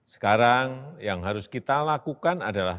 sekarang yang harus kita lakukan adalah